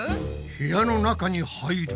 部屋の中に入ると。